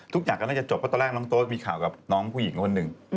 ทุกอย่างก็น่าจะจบเพราะตอนแรกน้องโต๊ดมีข่าวกับน้องผู้หญิงคนหนึ่ง